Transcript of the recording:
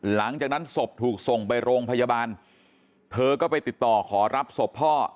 หลังจากนั้นศพถูกส่งไปโรงพยาบาลเธอก็ไปติดต่อขอรับศพพ่อ